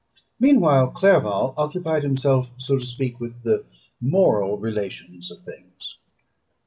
Meanwhile Clerval occupied himself, so to speak, with the moral relations of things.